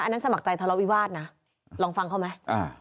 อันนั้นสมัครใจทะเลาวิวาสนะลองฟังเขาไหม